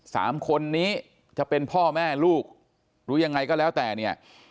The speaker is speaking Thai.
สามคนนี้จะเป็นพ่อแม่ลูกหรือยังไงก็แล้วแต่เนี่ย